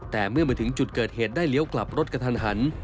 แต่เมื่อมาถึงจุดเกิดเหตุได้เลี้ยวกลับรถกระทันหัน